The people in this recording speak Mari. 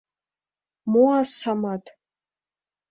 — Мо асамат...